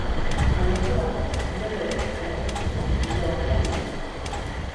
Abenturako duelurik garrantzitsuena itogarria izan da.